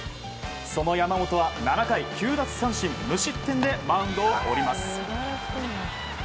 その山本は７回９奪三振、無失点でマウンドを降ります。